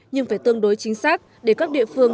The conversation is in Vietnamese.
nhưng phải tương đối chính xác để các địa phương